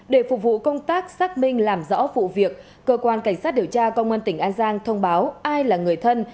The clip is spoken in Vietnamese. để phục vụ công tác xác minh làm rõ vụ việc cơ quan cảnh sát điều tra công an tỉnh an giang thông báo ai là người thân